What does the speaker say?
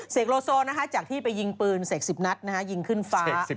เสกโลโซนะคะจากที่ไปยิงปืนเสกสิบนัดนะคะยิงขึ้นฟ้า